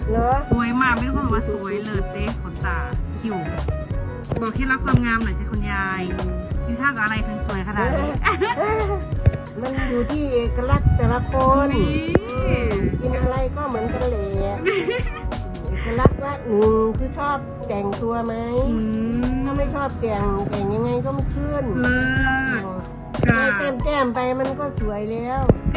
เลยหวุยมาวิทัพว่าสวยเลยเป็นตามอยู่บอกเพียงรักความงามหน่อย